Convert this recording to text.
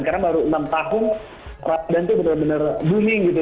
karena baru enam tahun ramadan tuh benar benar booming gitu